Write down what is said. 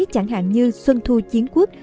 chẳng hạn như xuân thu chiến quốc